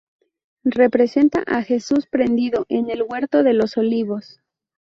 Representa a Jesús prendido en el huerto de los Olivos.